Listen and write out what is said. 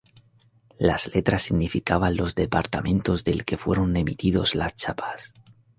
Las letras significaban los departamentos del que fueron emitidos las chapas:.